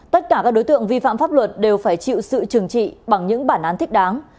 tất cả các đối tượng vi phạm pháp luật đều phải chịu sự trừng trị bằng những bản án thích đáng